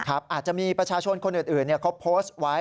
อาจจะมีประชาชนคนอื่นเขาโพสต์ไว้